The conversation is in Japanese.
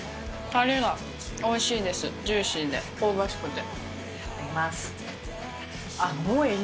たれがおいしいです、ジューシーで、香ばしくて。